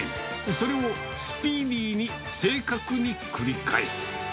それをスピーディーに正確に繰り返す。